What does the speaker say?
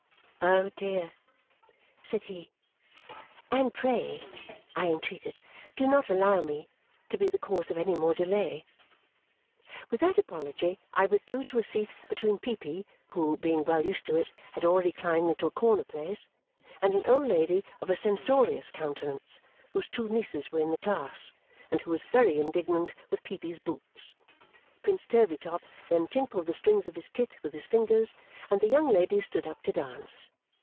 "Oh, dear!" said he. "And pray," I entreated, "do not allow me to be the cause of any more delay." With that apology I withdrew to a seat between Peepy (who, being well used to it, had already climbed into a corner place) and an old lady of a censorious countenance whose two nieces were in the class and who was very indignant with Peepy's boots. Prince Turveydrop then tinkled the strings of his kit with his fingers, and the young ladies stood up to dance.